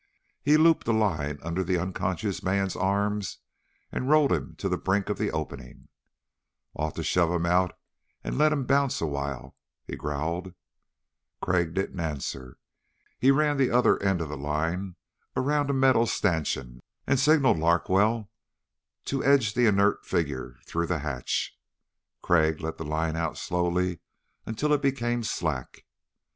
He looped a line under the unconscious man's arms and rolled him to the brink of the opening. "Ought to shove him out and let him bounce a while," he growled. Crag didn't answer. He ran the other end of the line around a metal stanchion and signaled Larkwell to edge the inert figure through the hatch. Crag let the line out slowly until it became slack.